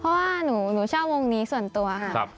เพราะว่าหนูชอบวงนี้ส่วนตัวค่ะ